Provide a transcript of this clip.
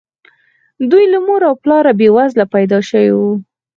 دوی له مور او پلاره بې وزله پيدا شوي وو.